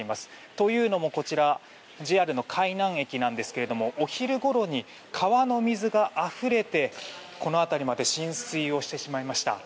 というのもＪＲの海南駅ですがお昼ごろに川の水があふれてこの辺りまで浸水してしまいました。